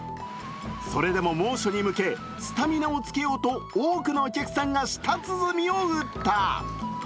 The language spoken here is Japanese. それでも猛暑に向け、スタミナをつけようと多くのお客さんが舌鼓を打った。